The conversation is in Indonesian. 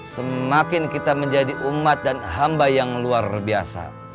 semakin kita menjadi umat dan hamba yang luar biasa